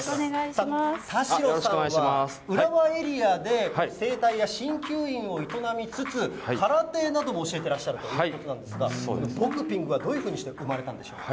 田代さんは浦和エリアで整体やしんきゅう院を営みつつ、空手なども教えてらっしゃるということなんですが、ボクピングがどういうふうにして生まれたんでしょうか。